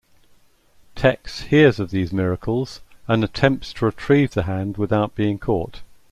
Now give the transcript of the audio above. Tex hears of these miracles, and attempts to retrieve the hand without being caught.